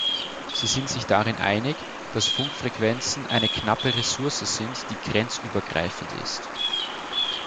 Sie sind sich darin einig, dass Funkfrequenzen eine knappe Ressource sind, die grenzübergreifend ist.